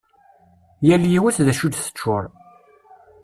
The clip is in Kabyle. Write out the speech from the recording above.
Yal yiwet d acu i d-teččur.